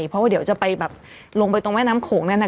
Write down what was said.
เพราะว่าเดี๋ยวจะไปแบบลงไปตรงแม่น้ำโขงแน่